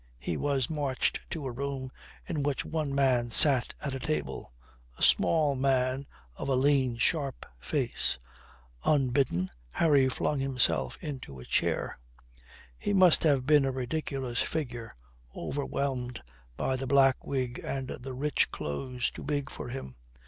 He was marched to a room in which one man sat at a table, a small man of a lean, sharp face. Unbidden, Harry flung himself into a chair. He must have been a ridiculous figure, overwhelmed by the black wig and the rich clothes too big for him.